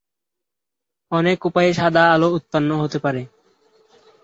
অনেক উপায়ে সাদা আলো উৎপন্ন হতে পারে।